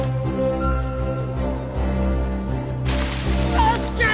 よっしゃー！